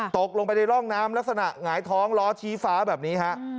ตกลงไปในร่องน้ำลักษณะหงายท้องล้อชี้ฟ้าแบบนี้ฮะ